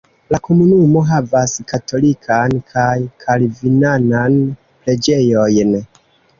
La komunumo havas katolikan kaj kalvinanan preĝejojn.